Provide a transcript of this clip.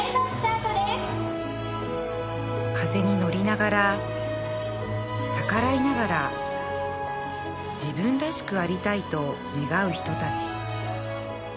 風に乗りながら逆らいながら自分らしくありたいと願う人たち